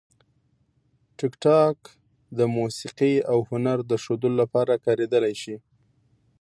ټیکټاک د موسیقي او هنر د ښودلو لپاره کارېدلی شي.